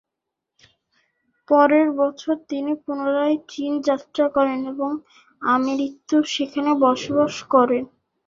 পরের বছর তিনি পুনরায় চীন যাত্রা করেন এবং আমৃত্যু সেখানে বসবাস করেন।